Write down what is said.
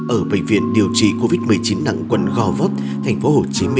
ở bệnh viện điều trị covid một mươi chín nặng quận gò vấp tp hcm